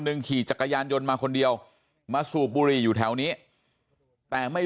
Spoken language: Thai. ขี่จักรยานยนต์มาคนเดียวมาสูบบุหรี่อยู่แถวนี้แต่ไม่